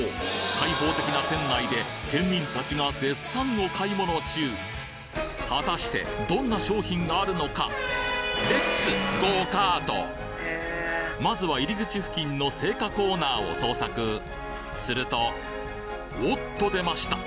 開放的な店内で県民たちが絶賛お買い物中果たしてどんな商品があるのかまずは入り口付近の青果コーナーを捜索するとおっと出ました